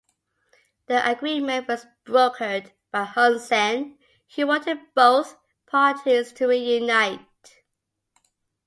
The agreement was brokered by Hun Sen, who wanted both parties to reunite.